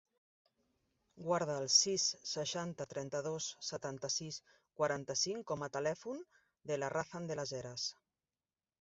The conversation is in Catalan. Guarda el sis, seixanta, trenta-dos, setanta-sis, quaranta-cinc com a telèfon de la Razan De Las Heras.